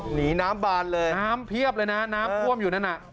หนีน้ำบานเลยน้ำเพียบเลยนะน้ำท่วมอยู่นั่นน่ะ